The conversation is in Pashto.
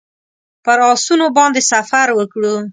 پر آسونو باندې سفر وکړو.